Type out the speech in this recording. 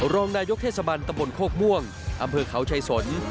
รองนายกเทศบันตะบนโคกม่วงอำเภอเขาชายสน